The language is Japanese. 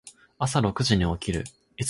朝六時に起きる。